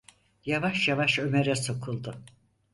Yavaş yavaş Ömer’e sokuldu: